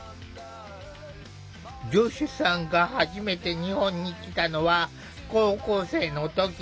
ジョシュさんが初めて日本に来たのは高校生の時。